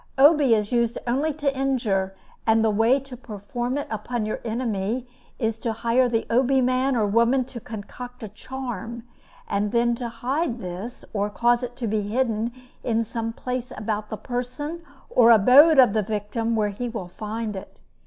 Obi is used only to injure, and the way to perform it upon your enemy is, to hire the Obi man or woman to concoct a charm, and then to hide this, or cause it to be hidden, in some place about the person or abode of the victim where he will find it.